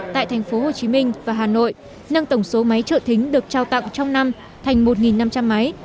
tại thành phố hồ chí minh và hà nội nâng tổng số máy trợ thính được trao tặng trong năm thành một năm trăm linh máy